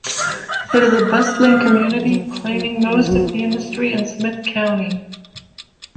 It is a bustling community, claiming most of the industry in Smith County.